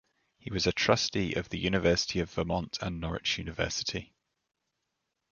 He was a trustee of the University of Vermont and Norwich University.